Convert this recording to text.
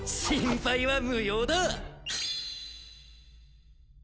心配は無用だ！